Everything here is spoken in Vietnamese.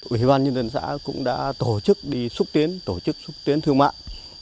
ủy ban nhân dân xã cũng đã tổ chức đi xúc tiến tổ chức xúc tiến thương mại